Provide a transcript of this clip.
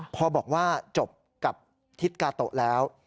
พอบอกว่าจบกับทิศกาโตะแล้ว